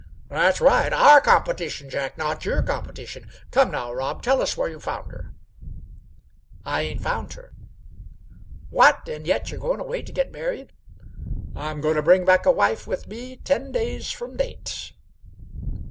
"That's right; our competition, Jack; not your competition. Come, now, Rob, tell us where you found her." "I ain't found her." "What! And yet you're goin' away t' get married!" "I'm goin' t' bring a wife back with me ten days fr'm date."